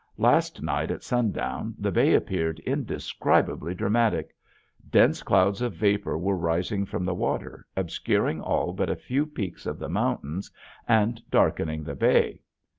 Last night at sundown the bay appeared indescribably dramatic. Dense clouds of vapor were rising from the water obscuring all but a few peaks of the mountains and darkening the bay.